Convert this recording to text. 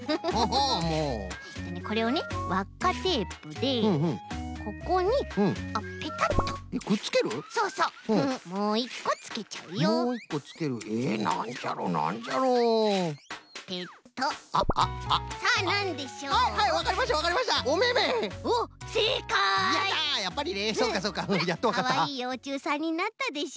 ほらかわいいようちゅうさんになったでしょ？